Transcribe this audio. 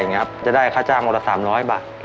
อย่างนี้ครับจะได้ค่าจ้างโลกละ๓๐๐บาท